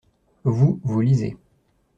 Vous, vous lisez.